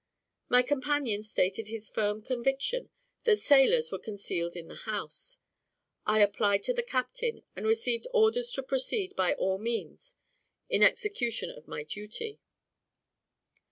My companion stated his firm conviction that sailors were concealed in the house; I applied to the captain, and received orders to proceed by all means in execution of my duty.